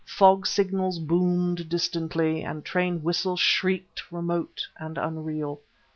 Fog signals boomed distantly, and train whistles shrieked, remote and unreal.